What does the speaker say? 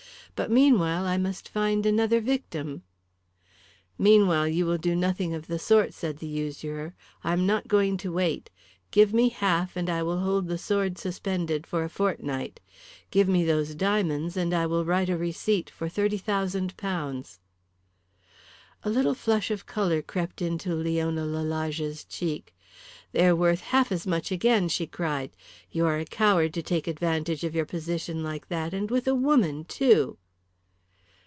But meanwhile I must find another victim." "Meanwhile you will do nothing of the sort," said the usurer. "I am not going to wait. Give me half and I will hold the sword suspended for a fortnight. Give me those diamonds, and I will write a receipt for £30,000." A little flush of colour crept into Leona Lalage's cheek. "They are worth half as much again," she cried. "You are a coward to take advantage of your position like that, and with a woman too."